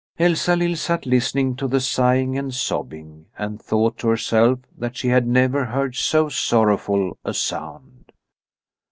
Elsalill sat listening to the sighing and sobbing, and thought to herself that she had never heard so sorrowful a sound.